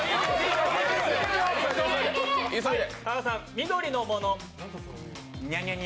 緑のもの。